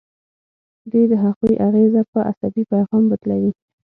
دوی د هغوی اغیزه په عصبي پیغام بدلوي.